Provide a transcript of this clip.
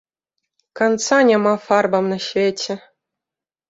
Канца няма фарбам на свеце.